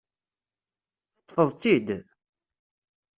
Teṭṭfeḍ-tt-id?